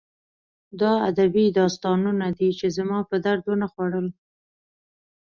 دا ادبي داستانونه دي چې زما په درد ونه خوړل